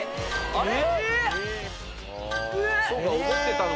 あれ？